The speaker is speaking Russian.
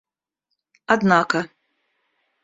однако